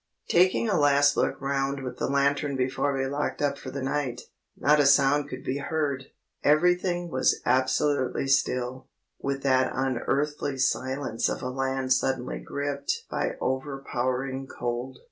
Taking a last look round with the lantern before we locked up for the night, not a sound could be heard; everything was absolutely still, with that unearthly silence of a land suddenly gripped by overpowering cold.